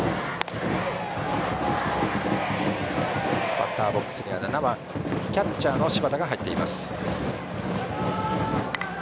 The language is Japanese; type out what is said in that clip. バッターボックスには７番キャッチャーの柴田が入っています。